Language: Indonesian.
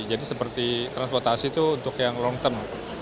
jadi seperti transportasi itu untuk yang long term